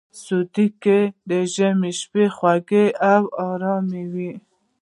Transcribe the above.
سعودي کې د ژمي شپې خوږې او ارامې وي.